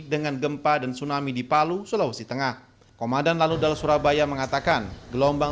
dengan gempa dan tsunami di palu sulawesi tengah komandan laludal surabaya mengatakan gelombang